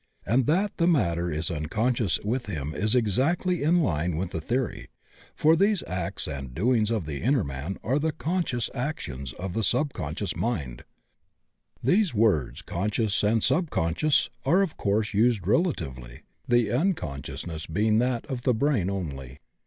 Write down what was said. And that the latter is unconscious with him is exactly in line with the theory, for these acts and doings of the inner man are the unconscious actions of the subcon scious mind. These words "conscious" and "sub conscious" are of course used relatively, the uncon sciousness being that of the brain only.